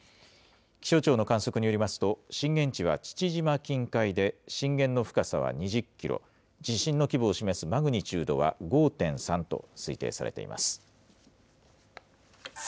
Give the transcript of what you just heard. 気象庁の観測によりますと、震源地は父島近海で、震源の深さは２０キロ、地震の規模を示すマグニチュードは５．３と推定されています。